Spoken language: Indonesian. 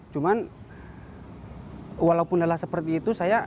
cuman walaupun lelah seperti itu